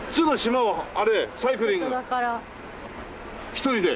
１人で？